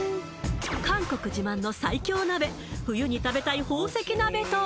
韓国自慢の最強鍋冬に食べたい宝石鍋とは？